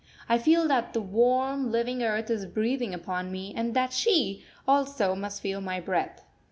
I feel that the warm, living Earth is breathing upon me, and that she, also, must feel my breath.